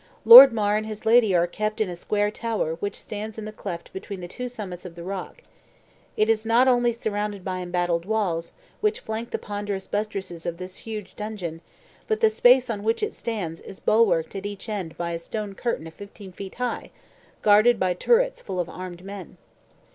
"Lord Mar and his lady are kept in a square tower which stands in the cleft between the two summits of the rock. It is not only surrounded by embattled walls, which flank the ponderous buttresses of this huge dungeon, but the space on which it stands is bulwarked at each end by a stone curtain of fifteen feet high, guarded by turrets full of armed men.